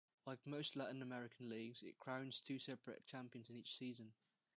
Like most Latin American leagues, it crowns two separate champions in each season.